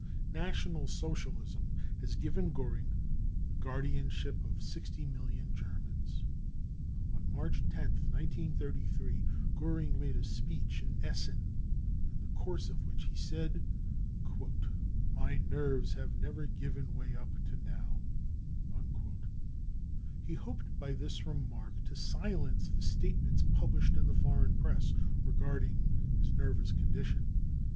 National Socialism has given Goering the guardianship of 60 million Germans. On March 10th, 1933, Goering made a speech in Essen, in the course of which he said, " My nerves have never given way up to now" He hoped by this remark to silence the statements published in the foreign Press regarding his nervous condition.